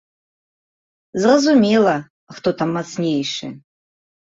Зразумела, хто там мацнейшы.